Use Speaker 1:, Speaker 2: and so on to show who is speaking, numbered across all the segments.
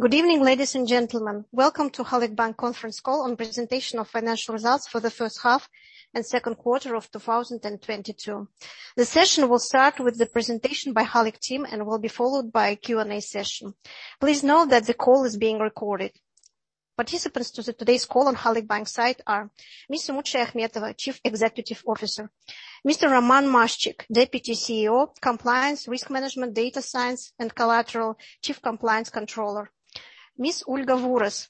Speaker 1: Good evening, ladies and gentlemen. Welcome to Halyk Bank Conference Call on Presentation of Financial Results for the First Half and Second Quarter of 2022. The session will start with the presentation by Halyk team and will be followed by a Q&A session. Please note that the call is being recorded. Participants to today's call on Halyk Bank side are Ms. Umut Shayakhmetova, Chief Executive Officer. Mr. Roman Maszczyk, Deputy CEO, Compliance, Risk Management, Data Science, and Collateral, Chief Compliance Controller. Ms. Olga Vuros,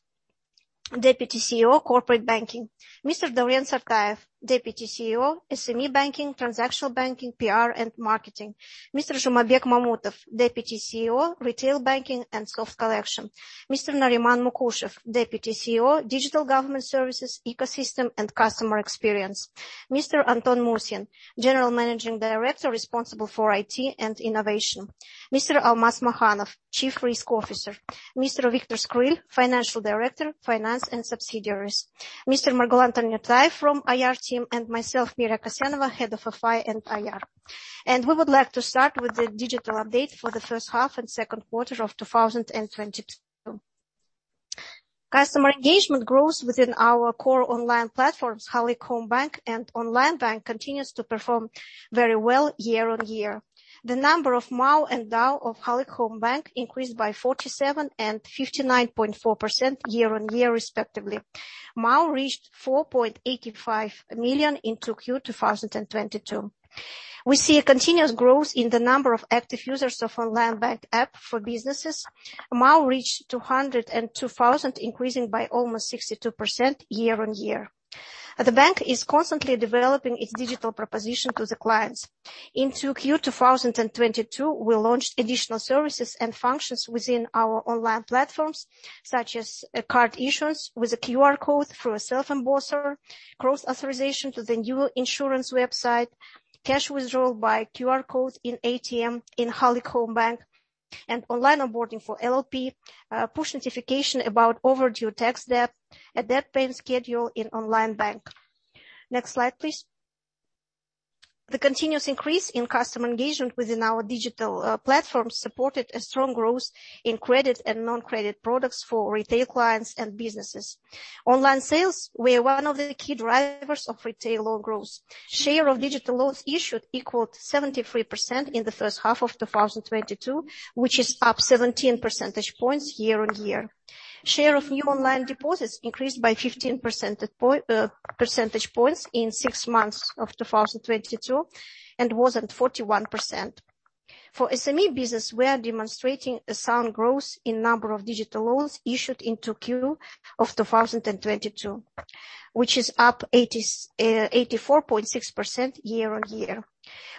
Speaker 1: Deputy CEO, Corporate Banking. Mr. Dauren Sartaev, Deputy CEO, SME Banking, Transactional Banking, PR and Marketing. Mr. Zhumabek Mamutov, Deputy CEO, Retail Banking and Soft Collection. Mr. Nariman Mukushev, Deputy CEO, Digital Government Services, Ecosystem and Customer Experience. Mr. Anton Musin, General Managing Director responsible for IT and innovation. Mr. Almas Makhanov, Chief Risk Officer. Mr. Viktor Skryl, Financial Director, Finance and Subsidiaries. Mr. Margulan Tanirtayev from IR team, and myself, Mira Kassenova, Head of FI and IR. We would like to start with the digital update for the first half and second quarter of 2022. Customer engagement growth within our core online platforms, Halyk Homebank and Onlinebank, continues to perform very well year-on-year. The number of MAU and DAU of Halyk Homebank increased by 47 and 59.4% year-on-year respectively. MAU reached 4.85 million in 2Q 2022. We see a continuous growth in the number of active users of Onlinebank app for businesses. MAU reached 202,000, increasing by almost 62% year-on-year. The bank is constantly developing its digital proposition to the clients. In 2Q 2022, we launched additional services and functions within our online platforms, such as card issuance with a QR code through a self-embosser, cross authorization to the new insurance website, cash withdrawal by QR code in ATM in Halyk Homebank, and online onboarding for LLP, push notification about overdue tax debt, a debt payment schedule in Onlinebank. Next slide, please. The continuous increase in customer engagement within our digital platforms supported a strong growth in credit and non-credit products for retail clients and businesses. Online sales were one of the key drivers of retail loan growth. Share of digital loans issued equaled 73% in the first half of 2022, which is up 17 percentage points year-on-year. Share of new online deposits increased by 15 percentage points in six months of 2022 and was at 41%. For SME business, we are demonstrating a sound growth in number of digital loans issued in 2Q of 2022, which is up 84.6% year-on-year.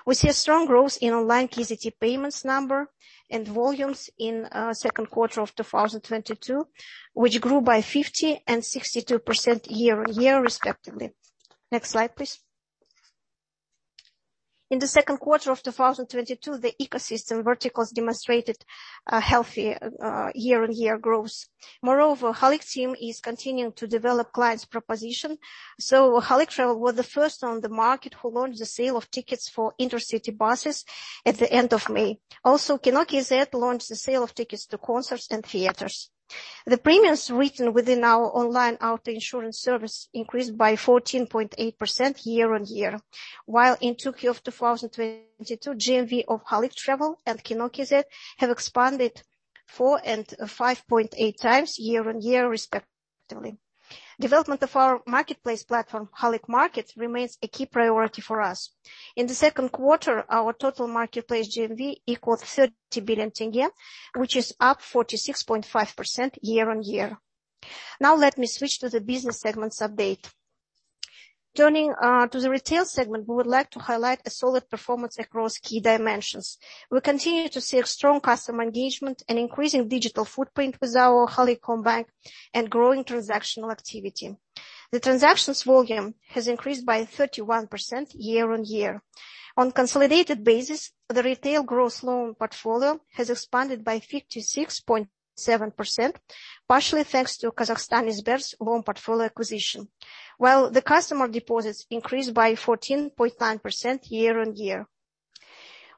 Speaker 1: We see a strong growth in online KZT payments number and volumes in second quarter of 2022, which grew by 50% and 62% year-on-year respectively. Next slide, please. In the second quarter of 2022, the ecosystem verticals demonstrated a healthy year-on-year growth. Moreover, Halyk team is continuing to develop clients' proposition. Halyk Travel was the first on the market who launched the sale of tickets for intercity buses at the end of May. kino.kz launched the sale of tickets to concerts and theaters. The premiums written within our online auto insurance service increased by 14.8% year-on-year, while in 2Q of 2022, GMV of Halyk Travel and kino.kz have expanded 4x and 5.8x year-on-year respectively. Development of our marketplace platform, Halyk Market, remains a key priority for us. In the second quarter, our total marketplace GMV equaled KZT 30 billion, which is up 46.5% year-on-year. Now let me switch to the business segments update. Turning to the retail segment, we would like to highlight a solid performance across key dimensions. We continue to see a strong customer engagement, an increasing digital footprint with our Halyk Homebank, and growing transactional activity. The transactions volume has increased by 31% year-on-year. On consolidated basis, the retail gross loan portfolio has expanded by 56.7%, partially thanks to Sberbank Kazakhstan's loan portfolio acquisition, while the customer deposits increased by 14.9% year-on-year.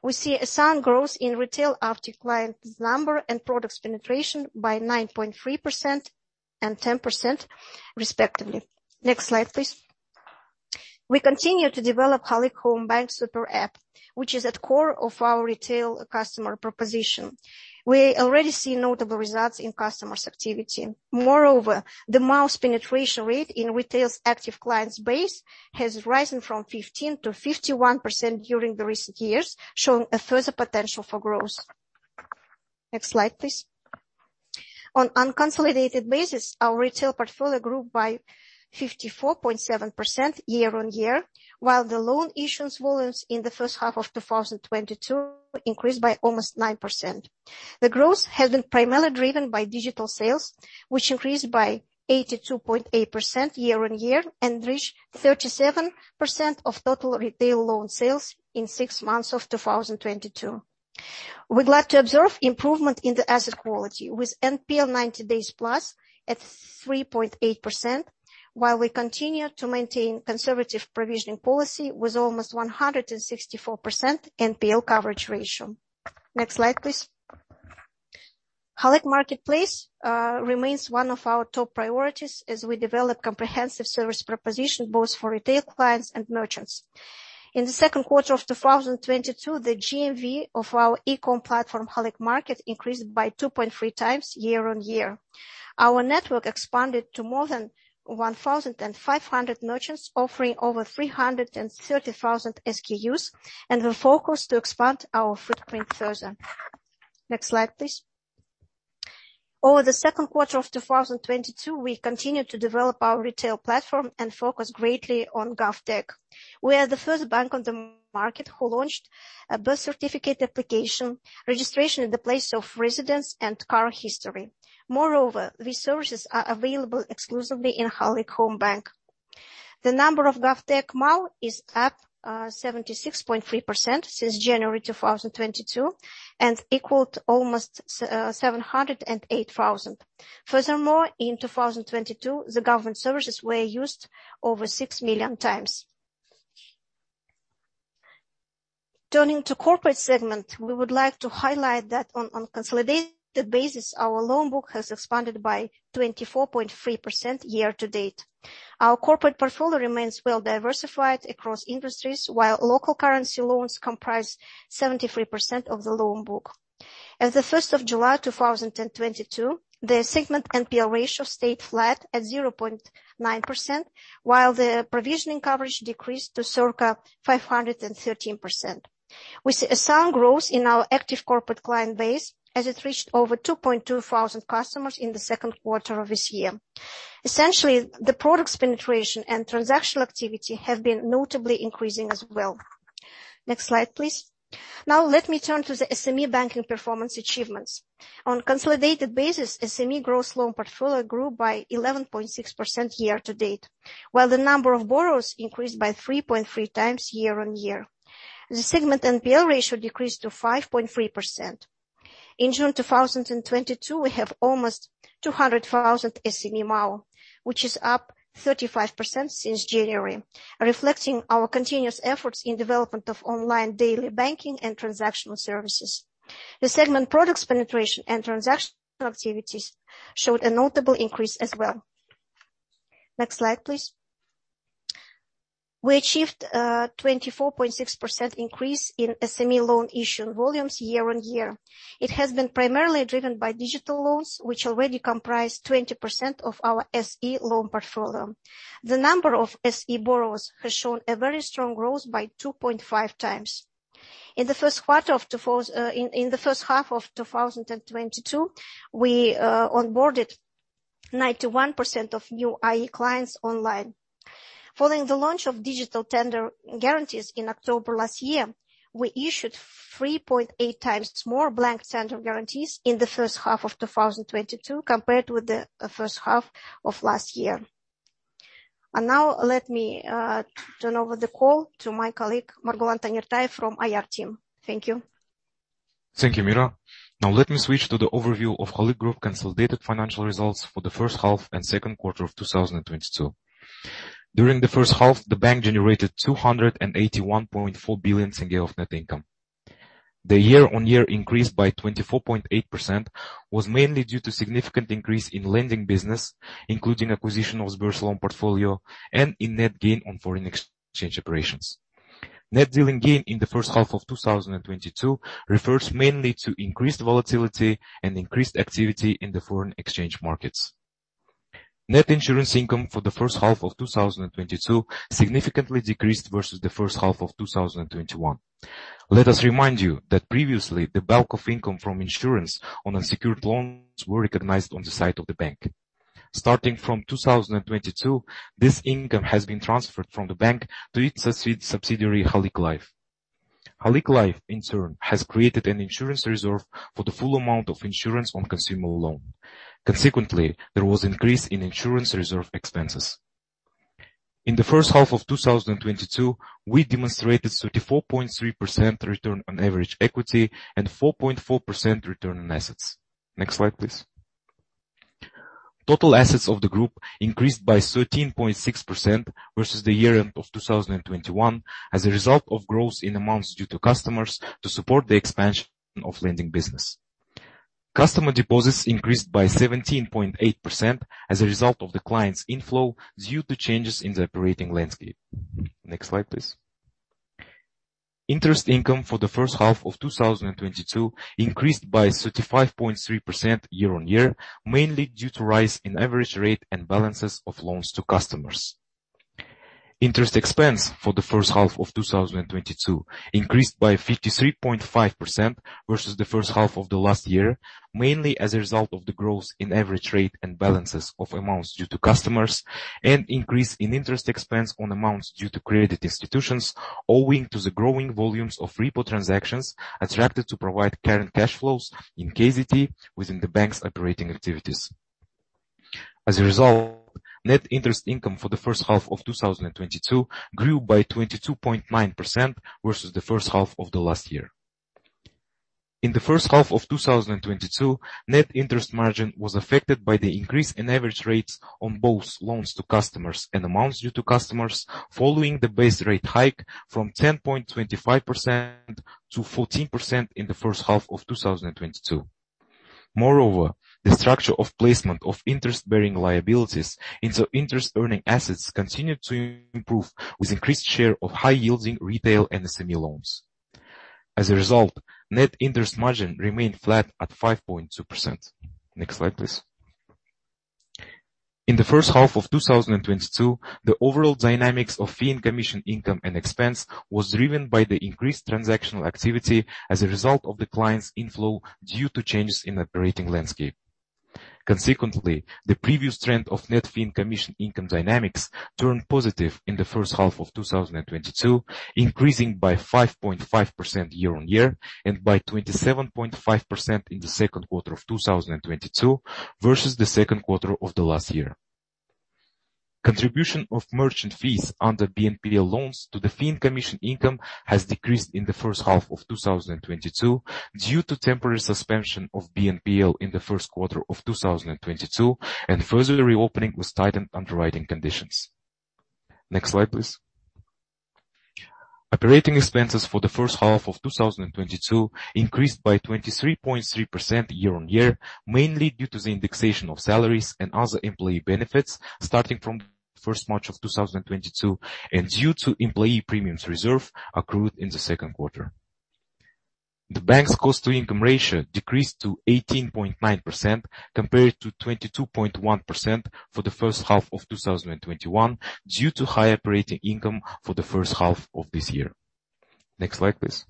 Speaker 1: We see a sound growth in retail active clients number and products penetration by 9.3% and 10% respectively. Next slide, please. We continue to develop Halyk Homebank super app, which is at core of our retail customer proposition. We already see notable results in customers' activity. Moreover, the MAU's penetration rate in retail's active clients base has risen from 15% to 51% during the recent years, showing a further potential for growth. Next slide, please. On unconsolidated basis, our retail portfolio grew by 54.7% year-on-year, while the loan issuance volumes in the first half of 2022 increased by almost 9%. The growth has been primarily driven by digital sales, which increased by 82.8% year-on-year and reached 37% of total retail loan sales in six months of 2022. We'd like to observe improvement in the asset quality with NPL ninety days plus at 3.8%, while we continue to maintain conservative provisioning policy with almost 164% NPL coverage ratio. Next slide, please. Halyk Marketplace remains one of our top priorities as we develop comprehensive service proposition both for retail clients and merchants. In the second quarter of 2022, the GMV of our e-com platform, Halyk Market, increased by 2.3x year-on-year. Our network expanded to more than 1,500 merchants offering over 330,000 SKUs, and we're focused to expand our footprint further. Next slide, please. Over the second quarter of 2022, we continued to develop our retail platform and focus greatly on GovTech. We are the first bank on the market who launched a birth certificate application, registration in the place of residence, and car history. Moreover, these services are available exclusively in Halyk Homebank. The number of GovTech MAU is up 76.3% since January 2022 and equaled almost 708,000. Furthermore, in 2022, the government services were used over 6 million times. Turning to corporate segment, we would like to highlight that on consolidated basis, our loan book has expanded by 24.3% year-to-date. Our corporate portfolio remains well diversified across industries, while local currency loans comprise 73% of the loan book. As of 1st July, 2022, the segment NPL ratio stayed flat at 0.9%, while the provisioning coverage decreased to circa 513%. We see a sound growth in our active corporate client base as it reached over 2,200 customers in the second quarter of this year. Essentially, the products penetration and transactional activity have been notably increasing as well. Next slide, please. Now let me turn to the SME banking performance achievements. On consolidated basis, SME gross loan portfolio grew by 11.6% year-to-date, while the number of borrowers increased by 3.3 times year-on-year. The segment NPL ratio decreased to 5.3%. In June 2022, we have almost 200,000 SME MAU, which is up 35% since January, reflecting our continuous efforts in development of online daily banking and transactional services. The segment products penetration and transactional activities showed a notable increase as well. Next slide, please. We achieved 24.6% increase in SME loan issued volumes year-on-year. It has been primarily driven by digital loans, which already comprise 20% of our SME loan portfolio. The number of SME borrowers has shown a very strong growth by 2.5x. In the first half of 2022, we onboarded 91% of new IE clients online. Following the launch of digital tender guarantees in October last year, we issued 3.8x more blank tender guarantees in the first half of 2022 compared with the first half of last year. Now let me turn over the call to my colleague, Margulan Tanirtayev from IR team. Thank you.
Speaker 2: Thank you, Mira. Now let me switch to the overview of Halyk Group consolidated financial results for the first half and second quarter of 2022. During the first half, the bank generated KZT 281.4 billion of net income. The year on year increase by 24.8% was mainly due to significant increase in lending business, including acquisition of Sberbank loan portfolio and in net gain on foreign exchange operations. Net dealing gain in the first half of 2022 refers mainly to increased volatility and increased activity in the foreign exchange markets. Net insurance income for the first half of 2022 significantly decreased versus the first half of 2021. Let us remind you that previously, the bulk of income from insurance on unsecured loans were recognized on the side of the bank. Starting from 2022, this income has been transferred from the bank to its subsidiary, Halyk-Life. Halyk-Life, in turn, has created an insurance reserve for the full amount of insurance on consumer loan. Consequently, there was increase in insurance reserve expenses. In the first half of 2022, we demonstrated 34.3% return on average equity and 4.4% return on assets. Next slide, please. Total assets of the group increased by 13.6% versus the year end of 2021 as a result of growth in amounts due to customers to support the expansion of lending business. Customer deposits increased by 17.8% as a result of the client's inflow due to changes in the operating landscape. Next slide, please. Interest income for the first half of 2022 increased by 35.3% year-on-year, mainly due to rise in average rate and balances of loans to customers. Interest expense for the first half of 2022 increased by 53.5% versus the first half of the last year, mainly as a result of the growth in average rate and balances of amounts due to customers and increase in interest expense on amounts due to credit institutions owing to the growing volumes of repo transactions attracted to provide current cash flows in KZT within the bank's operating activities. As a result, net interest income for the first half of 2022 grew by 22.9% versus the first half of the last year. In the first half of 2022, net interest margin was affected by the increase in average rates on both loans to customers and amounts due to customers following the base rate hike from 10.25% to 14% in the first half of 2022. Moreover, the structure of placement of interest-bearing liabilities into interest earning assets continued to improve with increased share of high yielding retail and SME loans. As a result, net interest margin remained flat at 5.2%. Next slide, please. In the first half of 2022, the overall dynamics of fee and commission income and expense was driven by the increased transactional activity as a result of the client's inflow due to changes in operating landscape. Consequently, the previous trend of net fee and commission income dynamics turned positive in the first half of 2022, increasing by 5.5% year on year and by 27.5% in the second quarter of 2022 versus the second quarter of the last year. Contribution of merchant fees under BNPL loans to the fee and commission income has decreased in the first half of 2022 due to temporary suspension of BNPL in the first quarter of 2022, and further reopening with tightened underwriting conditions. Next slide, please. Operating expenses for the first half of 2022 increased by 23.3% year-on-year, mainly due to the indexation of salaries and other employee benefits starting from first March of 2022 and due to employee premiums reserve accrued in the second quarter. The bank's cost to income ratio decreased to 18.9% compared to 22.1% for the first half of 2021 due to high operating income for the first half of this year. Next slide, please.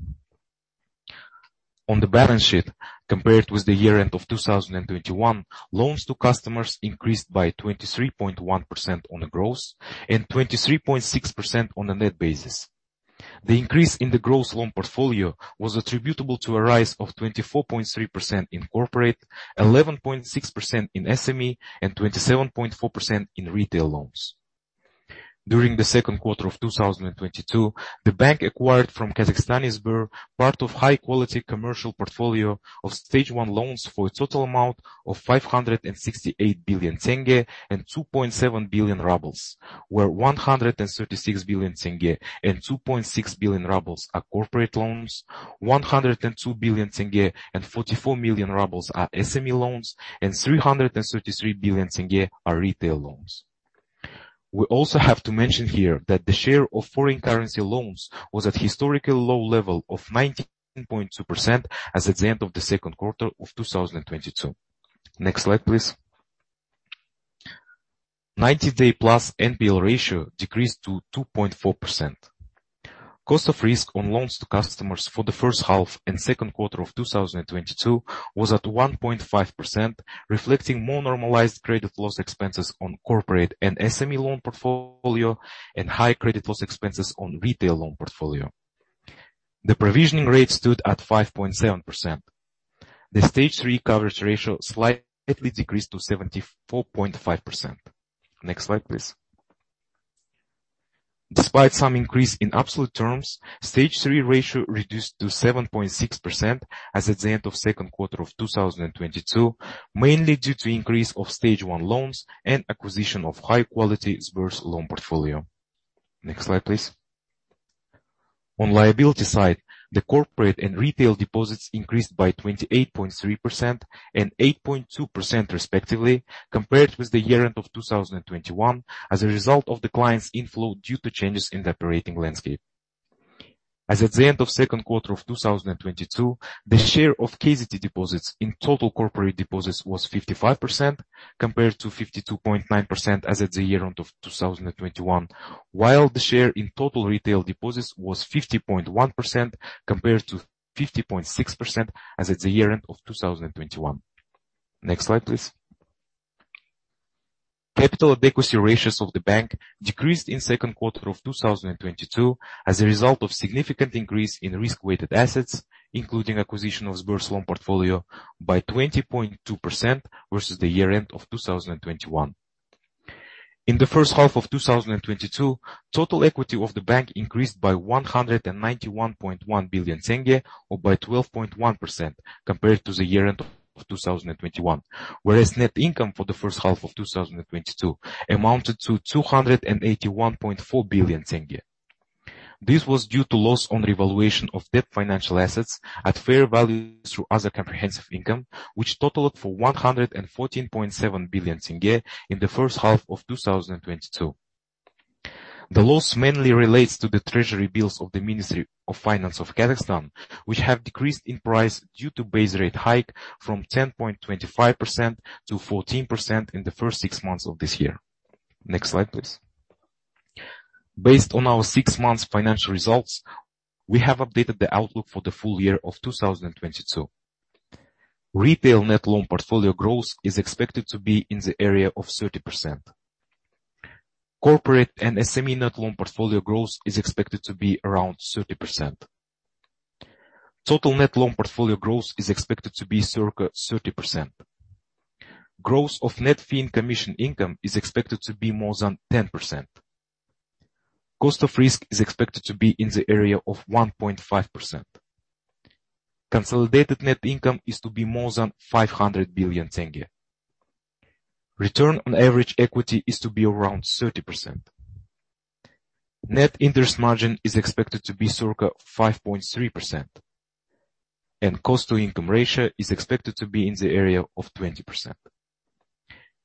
Speaker 2: On the balance sheet, compared with the year-end of 2021, loans to customers increased by 23.1% on a gross and 23.6% on a net basis. The increase in the gross loan portfolio was attributable to a rise of 24.3% in corporate, 11.6% in SME, and 27.4% in retail loans. During the second quarter of 2022, the bank acquired from Eximbank Kazakhstan part of high quality commercial portfolio of Stage 1 loans for a total amount of KZT 568 billion and 2.7 billion rubles, where KZT 136 billion and 2.6 billion rubles are corporate loans, KZT 102 billion and 44 million rubles are SME loans, and KZT 333 billion are retail loans. We also have to mention here that the share of foreign currency loans was at historically low level of 19.2% as at the end of the second quarter of 2022. Next slide, please. 90-day+ NPL ratio decreased to 2.4%. Cost of risk on loans to customers for the first half and second quarter of 2022 was at 1.5%, reflecting more normalized credit loss expenses on corporate and SME loan portfolio and high credit loss expenses on retail loan portfolio. The provisioning rate stood at 5.7%. The Stage 3 coverage ratio slightly decreased to 74.5%. Next slide, please. Despite some increase in absolute terms, Stage 3 ratio reduced to 7.6% as at the end of second quarter of 2022, mainly due to increase of Stage 1 loans and acquisition of high-quality Eximbank's loan portfolio. Next slide, please. On liability side, the corporate and retail deposits increased by 28.3% and 8.2% respectively, compared with the year-end of 2021 as a result of the client's inflow due to changes in the operating landscape. As at the end of second quarter of 2022, the share of KZT deposits in total corporate deposits was 55% compared to 52.9% as at the year-end of 2021. While the share in total retail deposits was 50.1% compared to 50.6% as at the year-end of 2021. Next slide, please. Capital adequacy ratios of the bank decreased in second quarter of 2022 as a result of significant increase in risk-weighted assets, including acquisition of Eximbank Kazakhstan's loan portfolio by 20.2% versus the year-end of 2021. In the first half of 2022, total equity of the bank increased by KZT 191.1 billion or by 12.1% compared to the year-end of 2021. Whereas net income for the first half of 2022 amounted to KZT 281.4 billion. This was due to loss on revaluation of debt financial assets at fair value through other comprehensive income, which totaled KZT 114.7 billion in the first half of 2022. The loss mainly relates to the treasury bills of the Ministry of Finance of the Republic of Kazakhstan, which have decreased in price due to base rate hike from 10.25% to 14% in the first six months of this year. Next slide, please. Based on our six months financial results, we have updated the outlook for the full year of 2022. Retail net loan portfolio growth is expected to be in the area of 30%. Corporate and SME net loan portfolio growth is expected to be around 30%. Total net loan portfolio growth is expected to be circa 30%. Growth of net fee and commission income is expected to be more than 10%. Cost of risk is expected to be in the area of 1.5%. Consolidated net income is to be more than KZT 500 billion. Return on average equity is to be around 30%. Net interest margin is expected to be circa 5.3%, and cost to income ratio is expected to be in the area of 20%.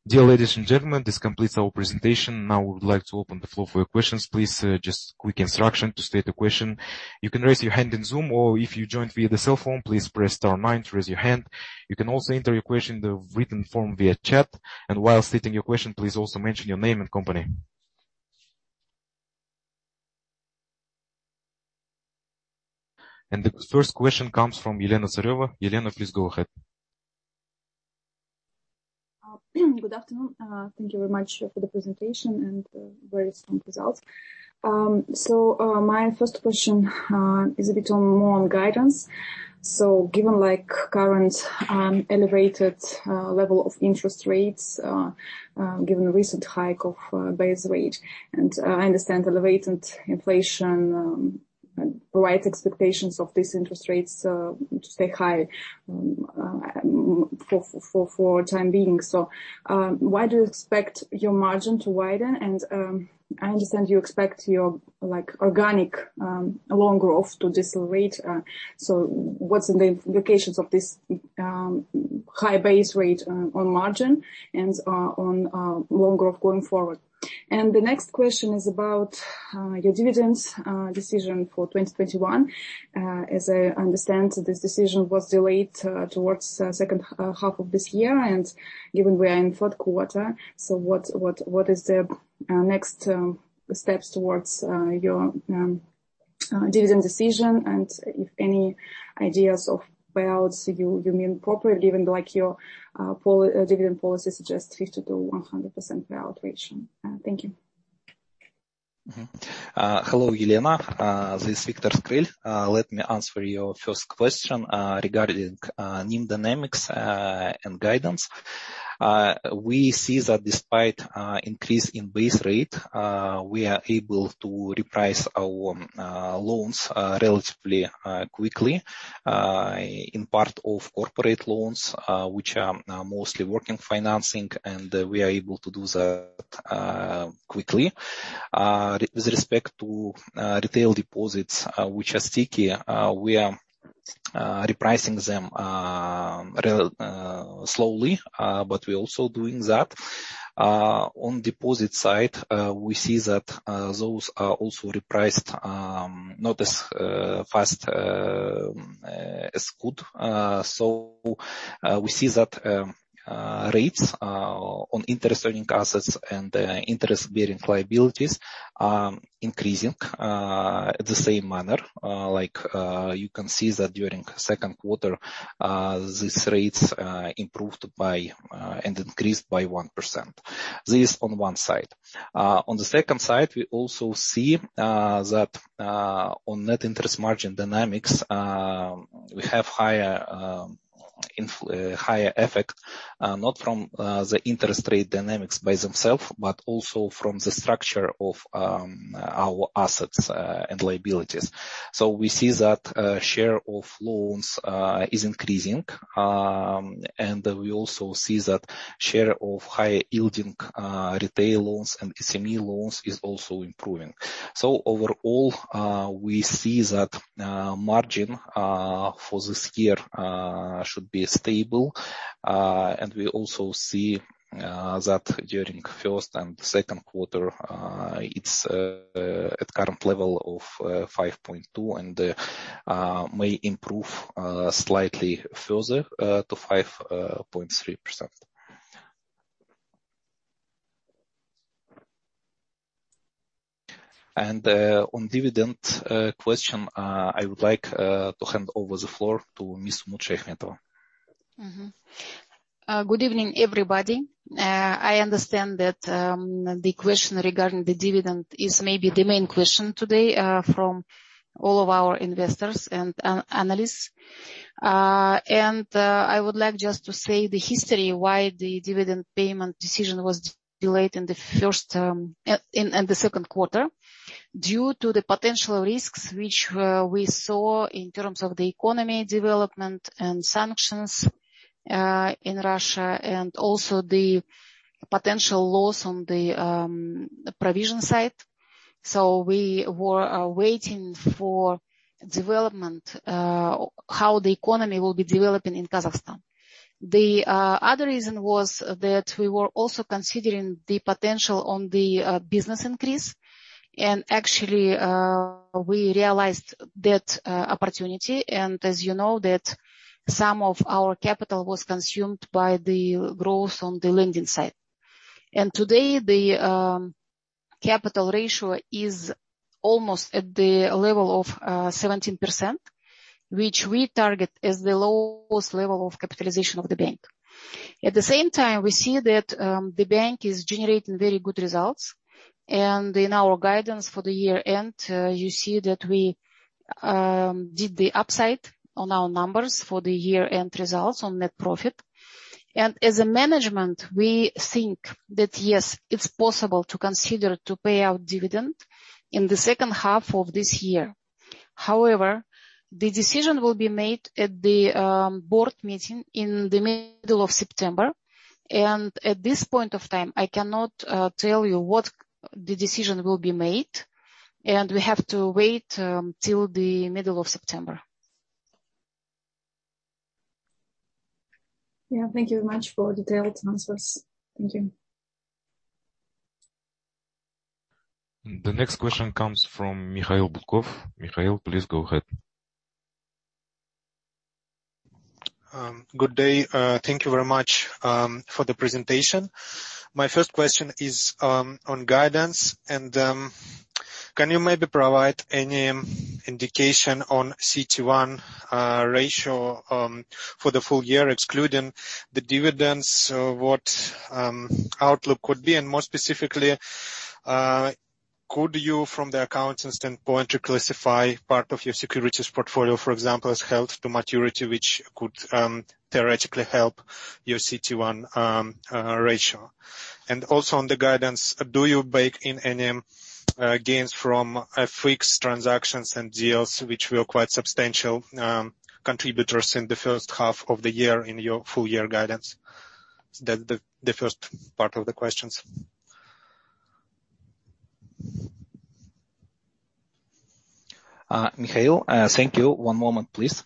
Speaker 2: Dear ladies and gentlemen, this completes our presentation. Now we would like to open the floor for your questions. Please, just quick instruction to state a question, you can raise your hand in Zoom, or if you joined via the cell phone, please press star nine to raise your hand. You can also enter your question in the written form via chat, and while stating your question, please also mention your name and company. The first question comes from Elena Tsareva. Elena, please go ahead.
Speaker 3: Good afternoon. Thank you very much for the presentation and very strong results. My first question is a bit more on guidance. Given, like, current elevated level of interest rates, given the recent hike of base rate, and I understand elevated inflation provides expectations of these interest rates to stay high for the time being. Why do you expect your margin to widen? I understand you expect your, like, organic loan growth to decelerate. What's the implications of this high base rate on margin and on loan growth going forward? The next question is about your dividends decision for 2021. As I understand, this decision was delayed towards second half of this year and given we are in fourth quarter. What is the next steps towards your dividend decision? If any ideas of payouts you mean properly given, like, your dividend policy suggests 50%-100% payout ratio. Thank you.
Speaker 4: Hello, Elena. This is Viktor Skryl. Let me answer your first question regarding NIM dynamics and guidance. We see that despite increase in base rate, we are able to reprice our loans relatively quickly in part of corporate loans, which are mostly working financing, and we are able to do that quickly. With respect to retail deposits, which are stickier, we are repricing them relatively slowly, but we're also doing that. On deposit side, we see that those are also repriced not as fast as could. We see that rates on interest-earning assets and interest-bearing liabilities are increasing in the same manner. Like, you can see that during second quarter, these rates improved and increased by 1%. This on one side. On the second side, we also see that on net interest margin dynamics, we have higher effect, not from the interest rate dynamics by themselves, but also from the structure of our assets and liabilities. We see that share of loans is increasing, and we also see that share of higher yielding retail loans and SME loans is also improving. Overall, we see that margin for this year should be stable. We also see that during first and second quarter, it's at current level of 5.2% and may improve slightly further to 5.3%.
Speaker 2: On dividend question, I would like to hand over the floor to Ms. Umut Shayakhmetova.
Speaker 5: Good evening, everybody. I understand that the question regarding the dividend is maybe the main question today from all of our investors and analysts. I would like just to say the history why the dividend payment decision was delayed in the second quarter due to the potential risks which we saw in terms of the economy development and sanctions in Russia and also the potential loss on the provision side. We were waiting for development how the economy will be developing in Kazakhstan. The other reason was that we were also considering the potential on the business increase. Actually we realized that opportunity, and as you know that some of our capital was consumed by the growth on the lending side. Today, the capital ratio is almost at the level of 17%, which we target as the lowest level of capitalization of the bank. At the same time, we see that the bank is generating very good results. In our guidance for the year-end, you see that we did the upside on our numbers for the year-end results on net profit. As a management, we think that yes, it's possible to consider to pay out dividend in the second half of this year. However, the decision will be made at the board meeting in the middle of September, and at this point of time, I cannot tell you what the decision will be made, and we have to wait till the middle of September.
Speaker 3: Yeah. Thank you very much for detailed answers. Thank you.
Speaker 2: The next question comes from Mikhail Batkov. Mikhail, please go ahead.
Speaker 6: Good day. Thank you very much for the presentation. My first question is on guidance, and can you maybe provide any indication on CET1 ratio for the full year, excluding the dividends, what outlook could be? More specifically, could you from the accounting standpoint reclassify part of your securities portfolio, for example, as held to maturity, which could theoretically help your CET1 ratio? Also on the guidance, do you bake in any gains from fixed transactions and deals which were quite substantial contributors in the first half of the year in your full year guidance? That's the first part of the questions.
Speaker 4: Mikhail, thank you. One moment, please.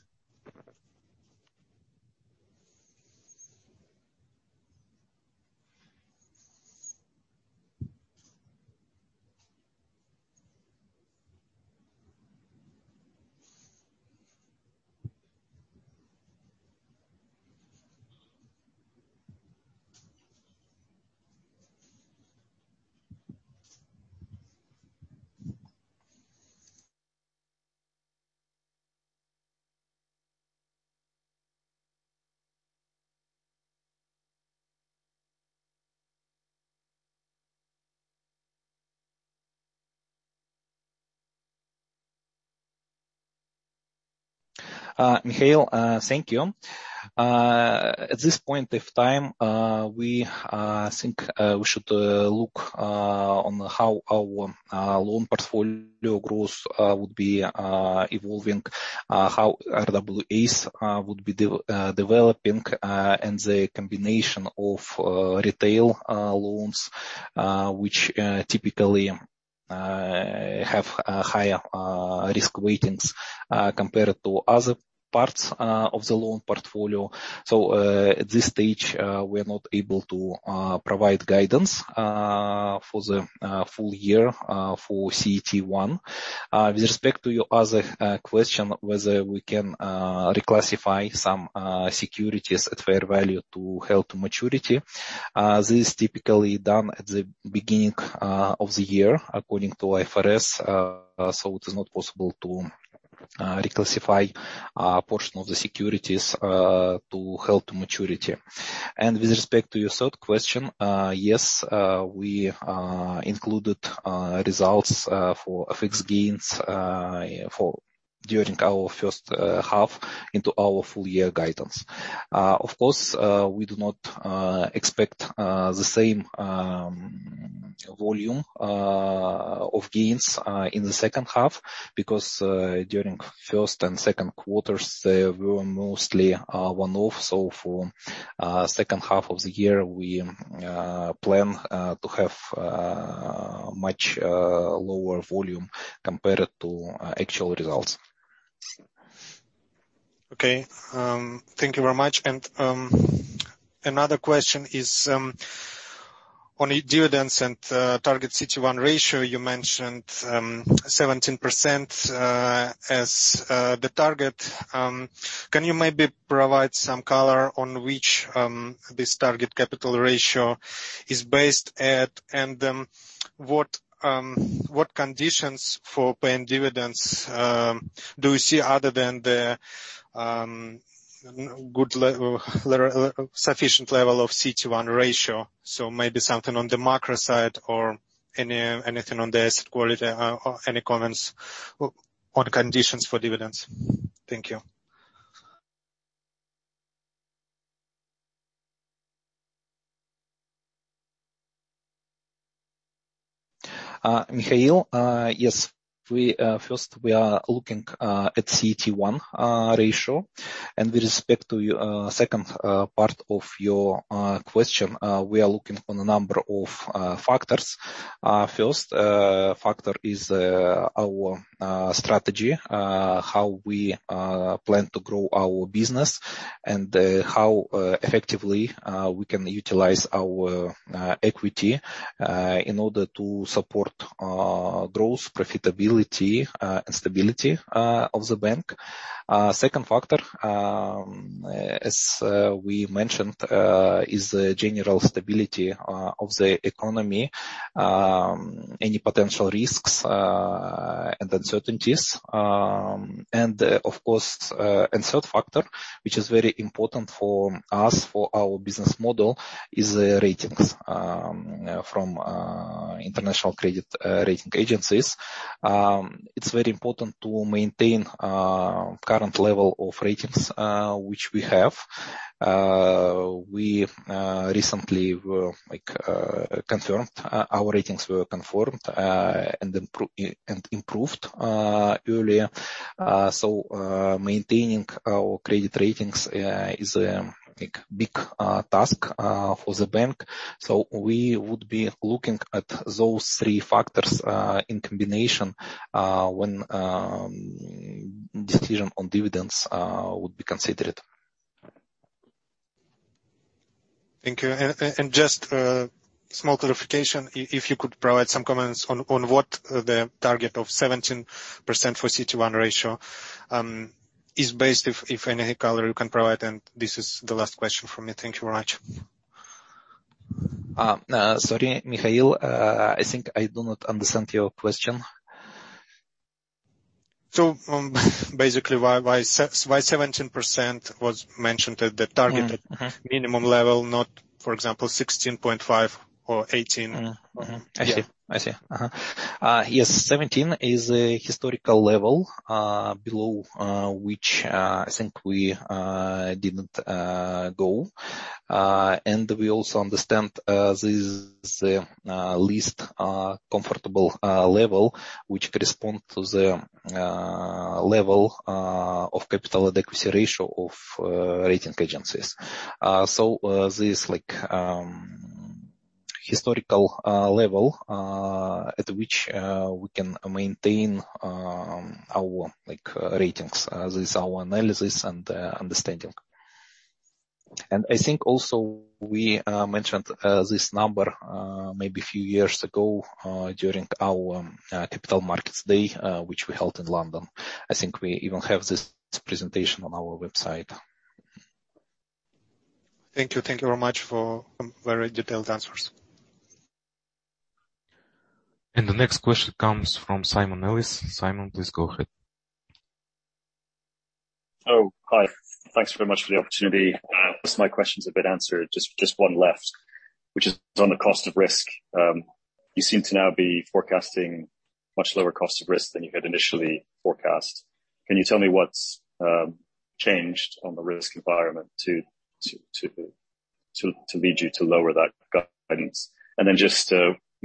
Speaker 4: Mikhail, thank you. At this point of time, we think we should look on how our loan portfolio growth would be evolving, how RWAs would be developing, and the combination of retail loans, which typically have higher risk weightings compared to other parts of the loan portfolio. At this stage, we are not able to provide guidance for the full year for CET1. With respect to your other question, whether we can reclassify some securities at fair value to held-to-maturity, this is typically done at the beginning of the year according to IFRS, so it is not possible to reclassify a portion of the securities to held-to-maturity. With respect to your third question, yes, we included results for FX gains from our first half into our full year guidance. Of course, we do not expect the same volume of gains in the second half because during first and second quarters, they were mostly one-off. For second half of the year, we plan to have much lower volume compared to actual results.
Speaker 6: Okay. Thank you very much. Another question is on dividends and target CET1 ratio. You mentioned 17% as the target. Can you maybe provide some color on which this target capital ratio is based at, and what conditions for paying dividends do you see other than the good sufficient level of CET1 ratio? Maybe something on the macro side or anything on the asset quality, or any comments on conditions for dividends. Thank you.
Speaker 4: Mikhail, yes. First, we are looking at CET1 ratio. With respect to your second part of your question, we are looking at a number of factors. First factor is our strategy, how we plan to grow our business and how effectively we can utilize our equity in order to support growth, profitability, and stability of the bank. Second factor, as we mentioned, is the general stability of the economy, any potential risks and uncertainties. Of course, third factor, which is very important for us, for our business model, is the ratings from international credit rating agencies. It's very important to maintain current level of ratings which we have. Our ratings were recently confirmed and improved earlier. Maintaining our credit ratings is like big task for the bank. We would be looking at those three factors in combination when decision on dividends would be considered.
Speaker 6: Thank you. Just a small clarification. If you could provide some comments on what the target of 17% for CET1 ratio is based, if any color you can provide, and this is the last question from me. Thank you very much.
Speaker 4: Sorry, Mikhail. I think I do not understand your question.
Speaker 6: Basically, why 17% was mentioned at the target-
Speaker 4: Mm-hmm. Mm-hmm.
Speaker 6: minimum level, not, for example, 16.5 or 18?
Speaker 4: Mm-hmm. Mm-hmm. I see.
Speaker 6: Yeah.
Speaker 4: I see. Uh-huh. Yes, 17 is a historical level below which I think we didn't go. We also understand this is the least comfortable level which correspond to the level of capital adequacy ratio of rating agencies. This like historical level at which we can maintain our like ratings. This is our analysis and understanding. I think also we mentioned this number maybe a few years ago during our capital markets day which we held in London. I think we even have this presentation on our website.
Speaker 6: Thank you. Thank you very much for very detailed answers.
Speaker 2: The next question comes from Simon Nellis. Simon, please go ahead.
Speaker 7: Oh, hi. Thanks very much for the opportunity. Most of my questions have been answered, just one left, which is on the cost of risk. You seem to now be forecasting much lower cost of risk than you had initially forecast. Can you tell me what's changed on the risk environment to lead you to lower that guidance? Then just,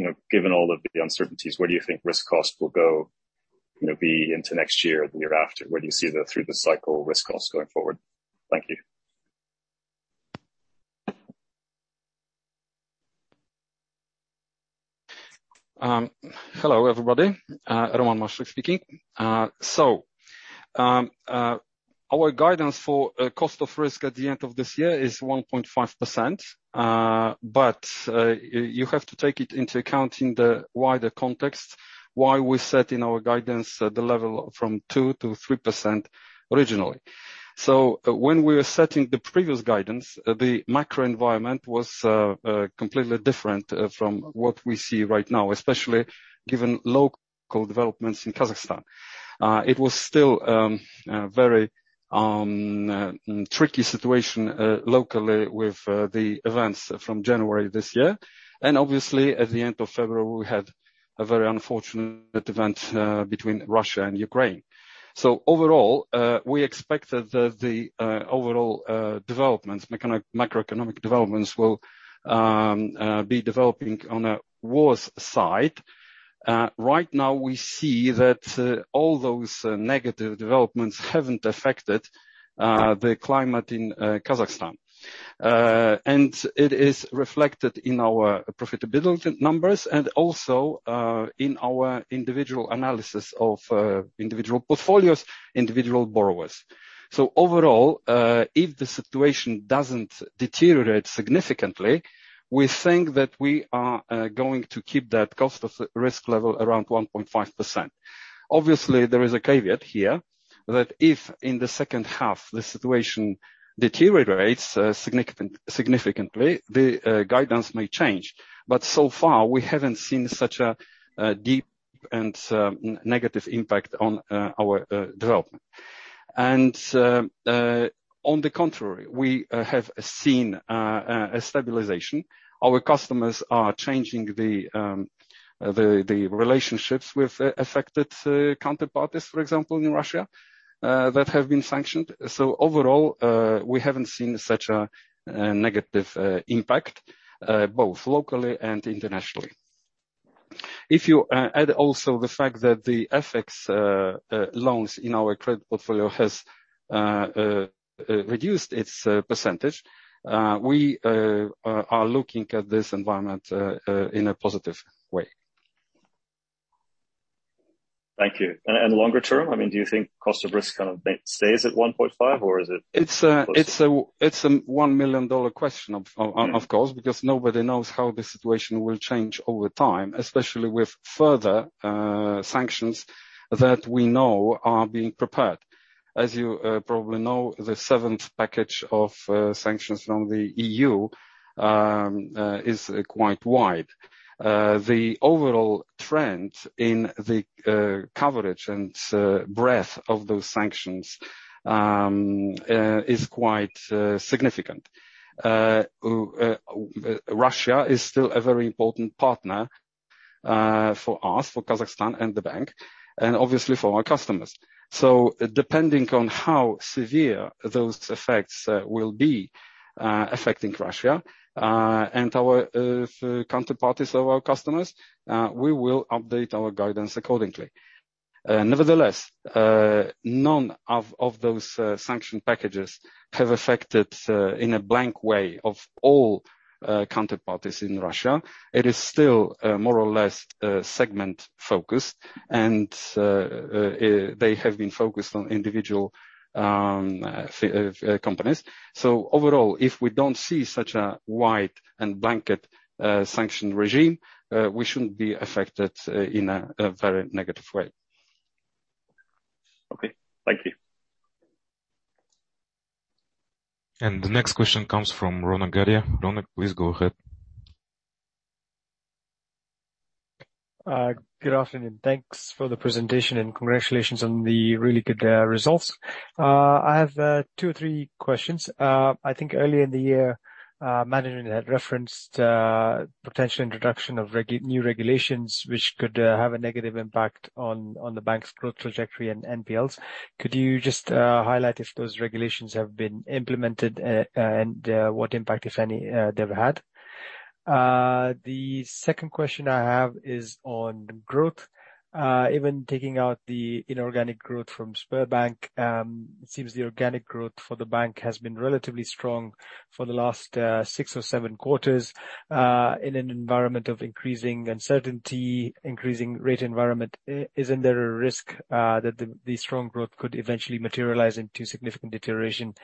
Speaker 7: you know, given all of the uncertainties, where do you think risk cost will go, you know, be into next year or the year after? Where do you see through the cycle risk costs going forward? Thank you.
Speaker 8: Hello, everybody. Roman Maszczyk speaking. Our guidance for cost of risk at the end of this year is 1.5%, but you have to take it into account in the wider context why we're setting our guidance at the level from 2%-3% originally. When we were setting the previous guidance, the macro environment was completely different from what we see right now, especially given local developments in Kazakhstan. It was still very tricky situation locally with the events from January this year. Obviously, at the end of February, we had a very unfortunate event between Russia and Ukraine. Overall, we expect that the overall macroeconomic developments will be developing on a worse side. Right now we see that all those negative developments haven't affected the climate in Kazakhstan. It is reflected in our profitability numbers and also in our individual analysis of individual portfolios, individual borrowers. Overall, if the situation doesn't deteriorate significantly, we think that we are going to keep that cost of risk level around 1.5%. Obviously, there is a caveat here that if in the second half the situation deteriorates significantly, the guidance may change. So far, we haven't seen such a deep and negative impact on our development. On the contrary, we have seen a stabilization. Our customers are changing the relationships with affected counterparties, for example, in Russia, that have been sanctioned. Overall, we haven't seen such a negative impact both locally and internationally. If you add also the fact that the FX loans in our credit portfolio has reduced its percentage, we are looking at this environment in a positive way.
Speaker 7: Thank you. Longer term, I mean, do you think cost of risk kind of stays at 1.5% or is it?
Speaker 8: It's a $1 million question of course, because nobody knows how the situation will change over time, especially with further sanctions that we know are being prepared. As you probably know, the seventh package of sanctions from the EU is quite wide. The overall trend in the coverage and breadth of those sanctions is quite significant. Russia is still a very important partner for us, for Kazakhstan and the bank, and obviously for our customers. Depending on how severe those effects will be affecting Russia and our counterparties of our customers, we will update our guidance accordingly. Nevertheless, none of those sanction packages have affected in a blanket way all counterparties in Russia. It is still more or less segment-focused, and they have been focused on individual companies. Overall, if we don't see such a wide and blanket sanction regime, we shouldn't be affected in a very negative way.
Speaker 7: Okay. Thank you.
Speaker 2: The next question comes from Ronak Gadhia. Ronak, please go ahead.
Speaker 9: Good afternoon. Thanks for the presentation, and congratulations on the really good results. I have two or three questions. I think early in the year, management had referenced potential introduction of new regulations which could have a negative impact on the bank's growth trajectory and NPLs. Could you just highlight if those regulations have been implemented, and what impact, if any, they've had? The second question I have is on growth. Even taking out the inorganic growth from Sberbank, it seems the organic growth for the bank has been relatively strong for the last six or seven quarters in an environment of increasing uncertainty, increasing rate environment. Isn't there a risk that the strong growth could eventually materialize into significant deterioration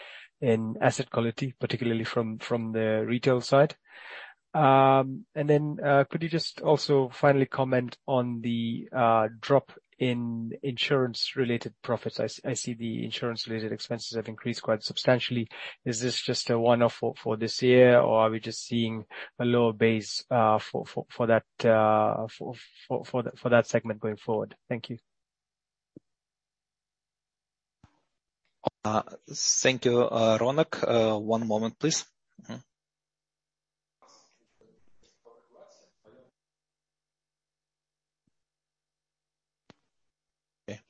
Speaker 9: in asset quality, particularly from the retail side? Could you just also finally comment on the drop in insurance-related profits? I see the insurance-related expenses have increased quite substantially. Is this just a one-off for this year, or are we just seeing a lower base for that segment going forward? Thank you.
Speaker 8: Thank you, Ronak. One moment, please.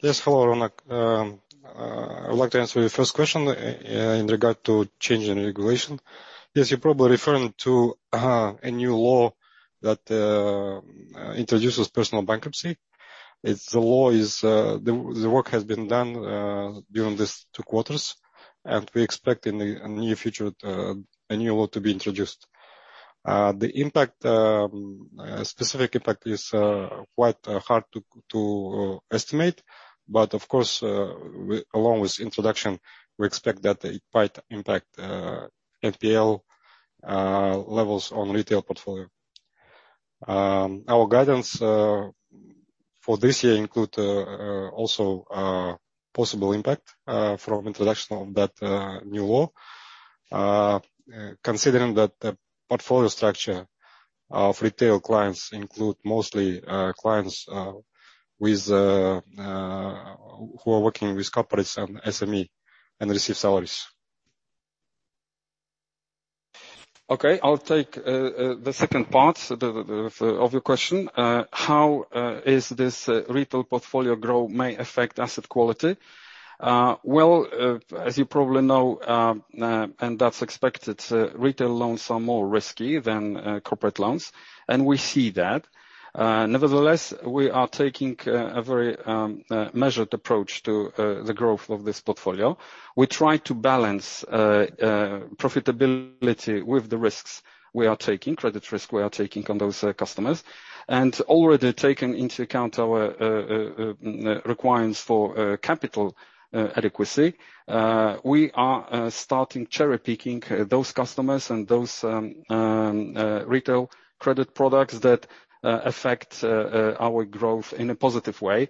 Speaker 8: Mm-hmm. Yes. Hello, Ronak. I'd like to answer your first question in regard to change in regulation. Yes, you're probably referring to a new law that introduces personal bankruptcy. It's the law is, the work has been done during these two quarters, and we expect in the near future a new law to be introduced. The impact, specific impact is quite hard to estimate, but of course, along with introduction, we expect that it might impact NPL levels on retail portfolio. Our guidance for this year include also possible impact from introduction of that new law, considering that the portfolio structure of retail clients include mostly clients with who are working with corporates and SME and receive salaries. Okay, I'll take the second part of your question. How is this retail portfolio growth may affect asset quality? Well, as you probably know, and that's expected, retail loans are more risky than corporate loans, and we see that. Nevertheless, we are taking a very measured approach to the growth of this portfolio. We try to balance profitability with the risks we are taking, credit risk we are taking on those customers. Already taking into account our requirements for capital adequacy, we are starting cherry-picking those customers and those retail credit products that affect our growth in a positive way,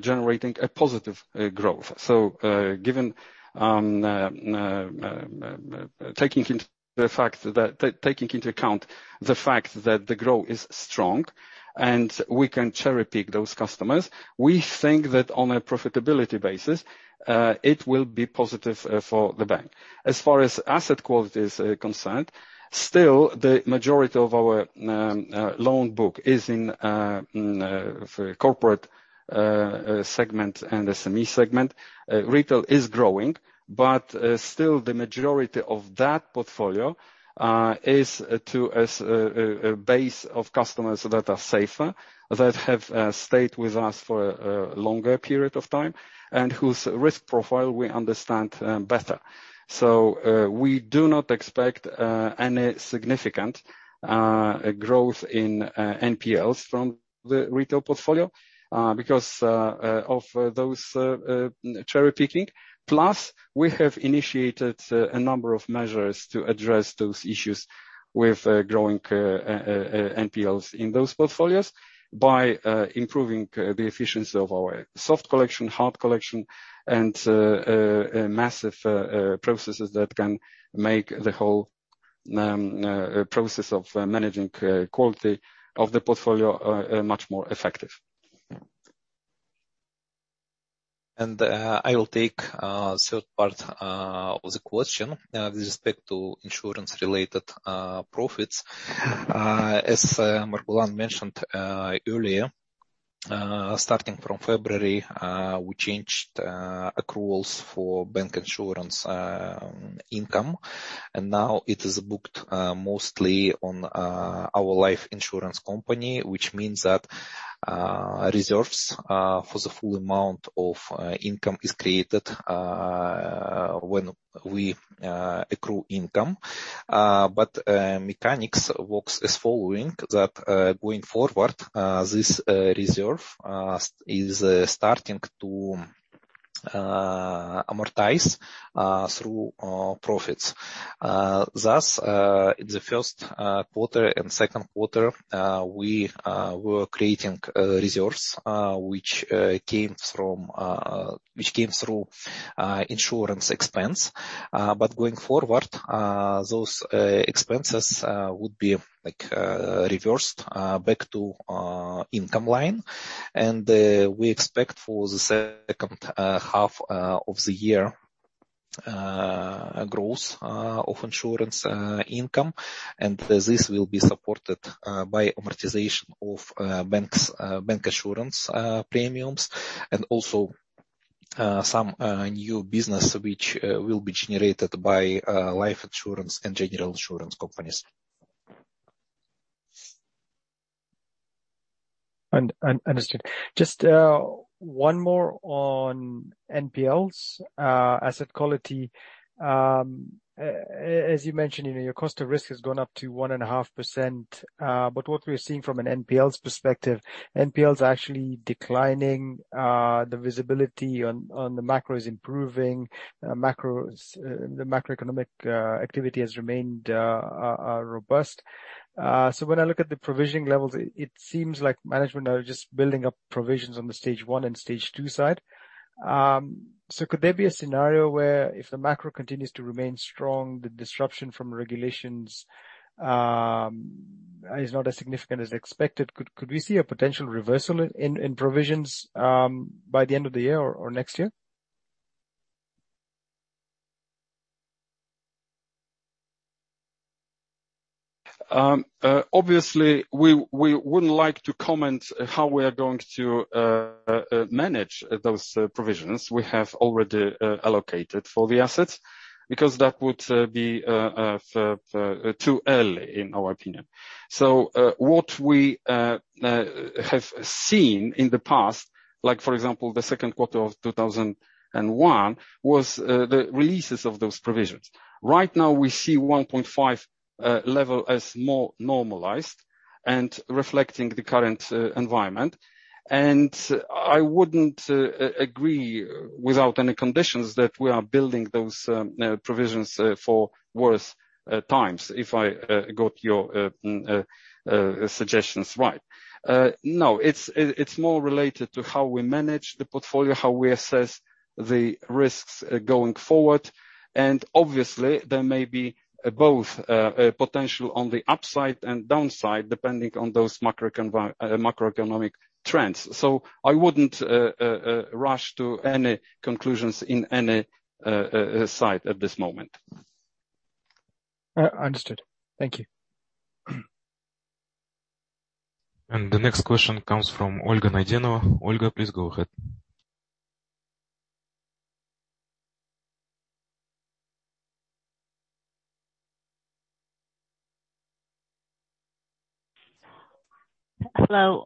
Speaker 8: generating a positive growth. Taking into account the fact that the growth is strong and we can cherry-pick those customers, we think that on a profitability basis, it will be positive for the bank. As far as asset quality is concerned, still the majority of our loan book is in corporate segment and SME segment. Retail is growing, but still the majority of that portfolio is to a base of customers that are safer, that have stayed with us for a longer period of time, and whose risk profile we understand better. We do not expect any significant growth in NPLs from the retail portfolio because of those cherry-picking. Plus, we have initiated a number of measures to address those issues with growing NPLs in those portfolios by improving the efficiency of our soft collection, hard collection, and massive processes that can make the whole process of managing quality of the portfolio much more effective.
Speaker 4: I will take third part of the question. With respect to insurance-related profits, as Margulan mentioned earlier, starting from February, we changed accruals for bank insurance income, and now it is booked mostly on our life insurance company, which means that reserves for the full amount of income is created when we accrue income. Mechanics works as following that, going forward, this reserve is starting to amortize through profits. Thus, the first quarter and second quarter, we were creating reserves, which came through insurance expense. Going forward, those expenses would be like reversed back to income line. We expect for the second half of the year growth of insurance income, and this will be supported by amortization of bancassurance premiums and also some new business which will be generated by life insurance and general insurance companies.
Speaker 9: Understood. Just one more on NPLs, asset quality. As you mentioned, you know, your cost of risk has gone up to 1.5%, but what we're seeing from an NPLs perspective, NPLs are actually declining, the visibility on the macro is improving. The macroeconomic activity has remained robust. So when I look at the provision levels, it seems like management are just building up provisions on the Stage 1 and Stage 2 side. So could there be a scenario where if the macro continues to remain strong, the disruption from regulations is not as significant as expected? Could we see a potential reversal in provisions by the end of the year or next year?
Speaker 8: Obviously, we wouldn't like to comment how we are going to manage those provisions we have already allocated for the assets, because that would be too early in our opinion. What we have seen in the past, like for example, the second quarter of 2001, was the releases of those provisions. Right now, we see 1.5 level as more normalized and reflecting the current environment. I wouldn't agree without any conditions that we are building those provisions for worse times, if I got your suggestions right. No, it's more related to how we manage the portfolio, how we assess the risks going forward. Obviously, there may be both potential on the upside and downside, depending on those macroeconomic trends. I wouldn't rush to any conclusions on any side at this moment.
Speaker 9: Understood. Thank you.
Speaker 2: The next question comes from Olga Naidenova. Olga, please go ahead.
Speaker 10: Hello.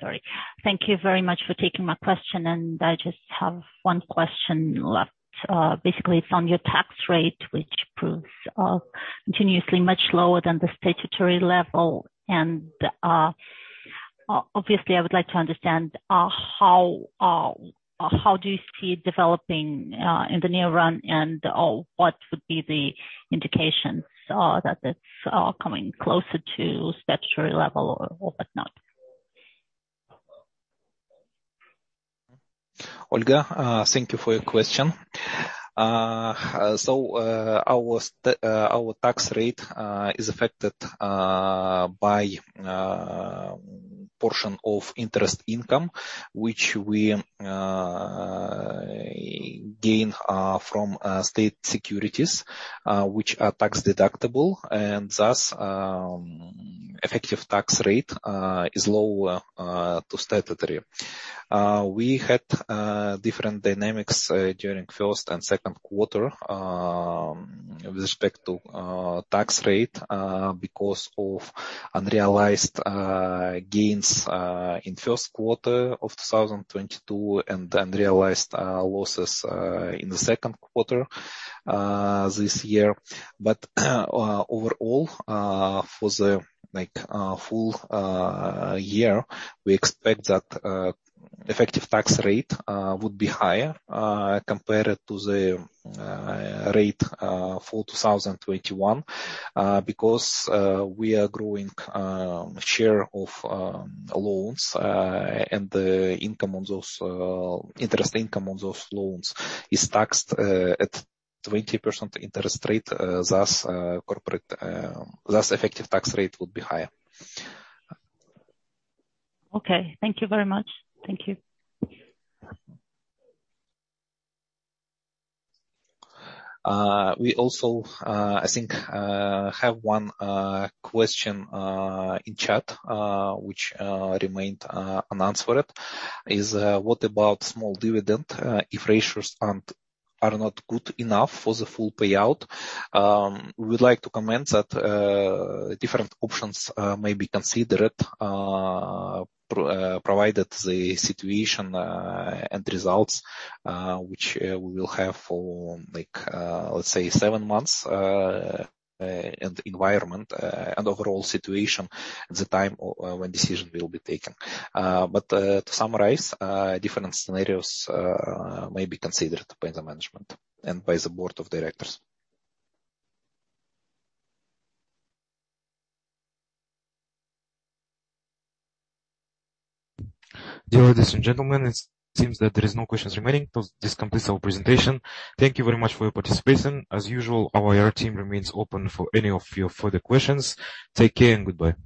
Speaker 10: Sorry. Thank you very much for taking my question, and I just have one question left. Basically, it's on your tax rate, which proves continuously much lower than the statutory level. Obviously, I would like to understand how do you see it developing in the near term, and what would be the indications that it's coming closer to statutory level or whatnot?
Speaker 4: Olga, thank you for your question. Our tax rate is affected by portion of interest income, which we gain from state securities, which are tax-deductible, and thus, effective tax rate is lower to statutory. We had different dynamics during first and second quarter with respect to tax rate because of unrealized gains in first quarter of 2022 and unrealized losses in the second quarter this year. Overall, for the full year, we expect that effective tax rate would be higher compared to the rate for 2021 because we are growing share of loans and the interest income on those loans is taxed at 20% interest rate, thus effective tax rate would be higher.
Speaker 10: Okay. Thank you very much. Thank you.
Speaker 2: We also, I think, have one question in chat which remained unanswered. What about small dividend if ratios are not good enough for the full payout? We'd like to comment that different options may be considered provided the situation and results which we will have for like, let's say seven months and environment and overall situation at the time when decision will be taken. To summarize, different scenarios may be considered by the management and by the board of directors. Dear ladies and gentlemen, it seems that there is no questions remaining. This completes our presentation. Thank you very much for your participation. As usual, our IR team remains open for any of your further questions. Take care and goodbye.